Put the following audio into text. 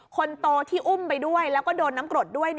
คนโตที่อุ้มไปด้วยแล้วก็โดนน้ำกรดด้วย